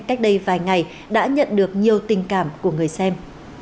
cách đây vài ngày đã nhận được nhiều tình cảm của người xem